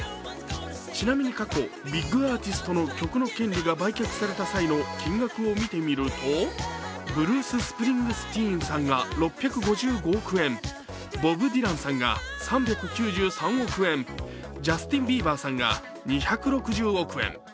ちなみに過去、ビッグアーティストの曲の権利が売却された際の金額を見てみるとブルース・スプリングスティーンさんが６５５億円、ボブ・ディランさんが３９３億円、ジャスティン・ビーバーさんが２６０億円。